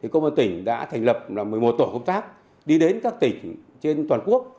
công an tỉnh đã thành lập một mươi một tổ công tác đi đến các tỉnh trên toàn quốc